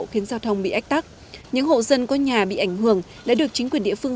khiến giao thông bị ách tắc những hộ dân có nhà bị ảnh hưởng đã được chính quyền địa phương